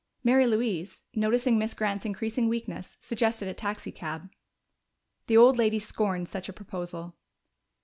Mary Louise, noticing Miss Grant's increasing weakness, suggested a taxicab. The old lady scorned such a proposal.